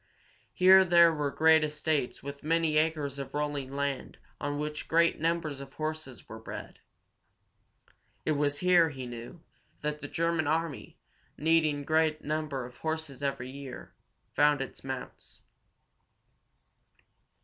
Here there were great estates with many acres of rolling land on which great numbers of horses were bred. It was here, he knew, that the German army, needing great numbers of horses every year, found its mounts.